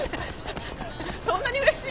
そんなにうれしい？